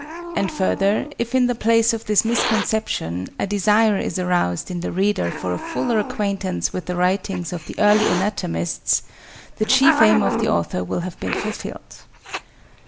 And, further, if in the place of this misconception a desire is aroused in the reader for a fuller acquaintance with the writings of the early anatomists the chief aim of the author will have been fulfilled.